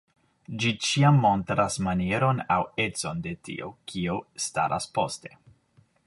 Ĝi ĉiam montras manieron aŭ econ de tio, kio staras poste.